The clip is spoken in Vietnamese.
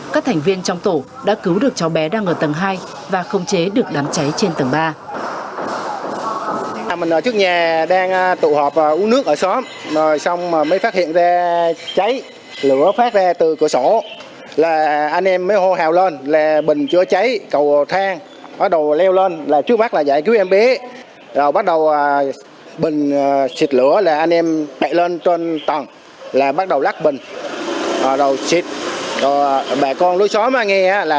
các thành viên trong tổ đã cứu được cháu bé đang ở tầng hai và khống chế được đám cháy trên tầng ba